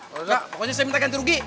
pokoknya saya minta ganti rugi